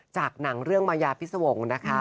จากหนังเรื่องมายาพิษวงศ์นะคะ